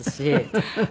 フフフフ！